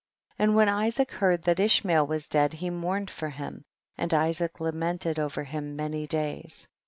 19. And when Isaac heard that Ishmael was dead he mourned for him, and Isaac lamented over him many days.